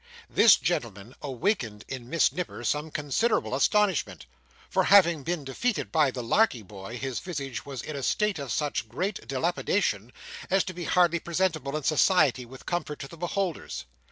This gentleman awakened in Miss Nipper some considerable astonishment; for, having been defeated by the Larkey Boy, his visage was in a state of such great dilapidation, as to be hardly presentable in society with comfort to the beholders.